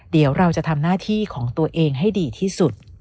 เดี๋ยวเราจะทำหน้าที่ของตัวเองให้ดีที่สุด